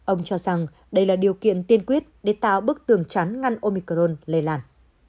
ông cho rằng đây là điều kiện tiên quyết để tạo bức tường trắn ngăn omicron lây lan